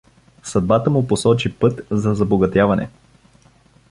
Съдбата му посочи път за забогатяване.